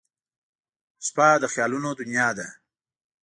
• شپه د خیالونو دنیا ده.